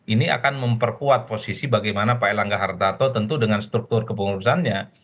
ini akan memperkuat posisi bagaimana pak elangga hartarto tentu dengan struktur kepengurusannya